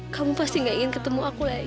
kamu pasti gak ingin ketemu aku lagi